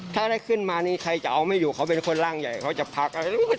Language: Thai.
ถ้าได้ขึ้นมานี่ใครจะเอาไม่อยู่เขาเป็นคนร่างใหญ่เขาจะพักอะไร